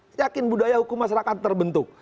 saya yakin budaya hukum masyarakat terbentuk